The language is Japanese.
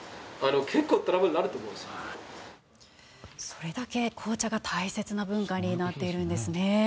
それだけ紅茶が大切な文化になっているんですね。